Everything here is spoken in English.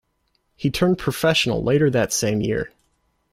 He turned professional later that same year.